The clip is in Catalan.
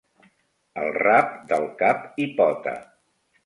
El rap del cap-i-pota.